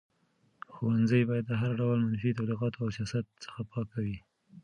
ښوونځي باید د هر ډول منفي تبلیغاتو او سیاست څخه پاک وي.